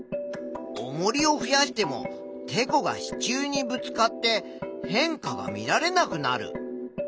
おもりを増やしてもてこが支柱にぶつかって変化が見られなくなる。